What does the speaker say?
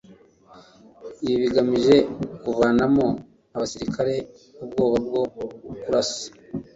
Ibi bigamije kuvanamo abasirikare ubwoba bwo kurasa,